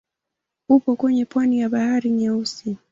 Upo kwenye pwani ya Bahari Nyeusi.